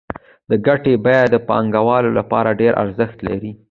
د ګټې بیه د پانګوال لپاره ډېر ارزښت لري